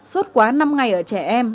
sốt quá năm ngày ở trẻ em